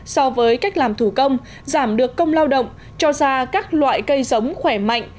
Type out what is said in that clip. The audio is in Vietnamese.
so với cách làm thủ công giảm được công lao động cho ra các loại cây giống khỏe mạnh